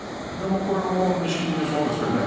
これは錦木の相撲ですからね。